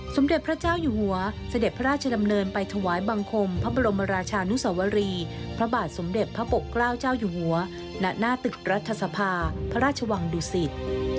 สมเด็จพระเจ้าอยู่หัวเสด็จพระราชดำเนินไปถวายบังคมพระบรมราชานุสวรีพระบาทสมเด็จพระปกเกล้าเจ้าอยู่หัวณหน้าตึกรัฐสภาพระราชวังดุสิต